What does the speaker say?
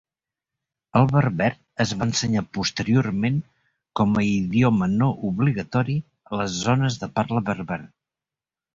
El berber es va ensenyar posteriorment com a idioma no obligatori a les zones de parla berber.